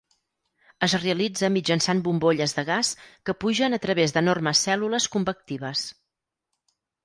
Es realitza mitjançant bombolles de gas que pugen a través d'enormes cèl·lules convectives.